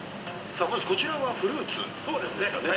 まずこちらはフルーツですかそうですね。